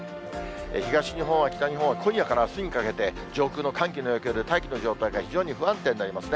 東日本、北日本は今夜からあすにかけて、上空の寒気の影響で、大気の状態が非常に不安定になりますね。